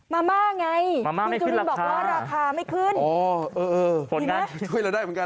มาม่าไงมาม่าไม่ขึ้นราคาคุณจุดลืมบอกว่าราคาไม่ขึ้น